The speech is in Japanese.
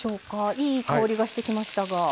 いい香りがしてきましたが。